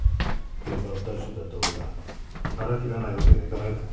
現場の大将だった俺が腹切らないわけにはいかないだろ